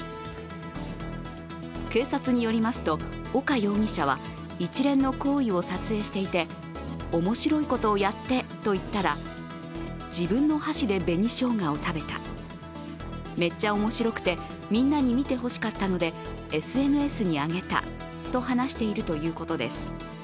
警察によりますと、岡容疑者は一連の行為を撮影していて、面白いことをやってと言ったら自分の箸で紅しょうがを食べた、めっちゃ面白くてみんなに見てほしかったのでＳＮＳに上げたと話しているということです。